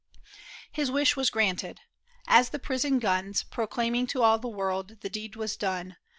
His wish was granted. As the prison guns Proclaimed to all the world the deed was done.